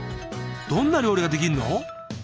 どんな料理ができんの？